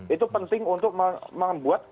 itu penting untuk membuat